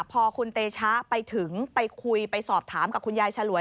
พอคุณเตชะไปถึงไปคุยไปสอบถามกับคุณยายฉลวย